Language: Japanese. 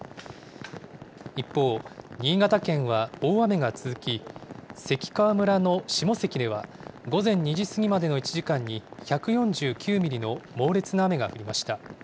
一方、新潟県は大雨が続き、関川村の下関では、午前２時過ぎまでの１時間に１４９ミリの猛烈な雨が降りました。